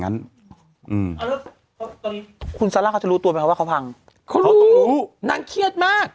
นั้นอืมคุณซาร่าเขาจะรู้ตัวไหมว่าเขาพังเขาต้องรู้น่าเกลียดมาก